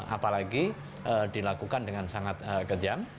apalagi dilakukan dengan sangat kejam